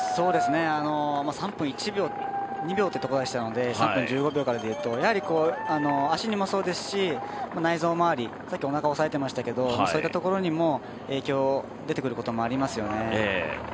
３分１秒、２秒というところでしたので３分１５秒からでいうと足にもそうですし内臓回り、さっきおなかを押さえてましたけど影響、出てくることもありますよね。